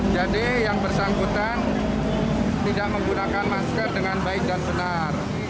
jadi yang bersangkutan tidak menggunakan masker dengan baik dan benar